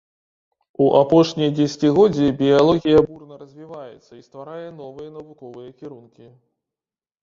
У апошнія дзесяцігоддзі біялогія бурна развіваецца і стварае новыя навуковыя кірункі.